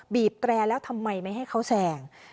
บีบแตรแล้วทำไมไม่ให้เขาแสง